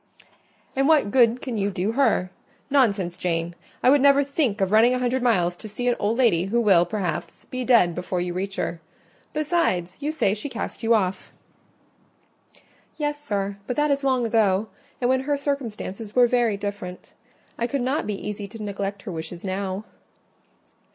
"And what good can you do her? Nonsense, Jane! I would never think of running a hundred miles to see an old lady who will, perhaps, be dead before you reach her: besides, you say she cast you off." "Yes, sir, but that is long ago; and when her circumstances were very different: I could not be easy to neglect her wishes now."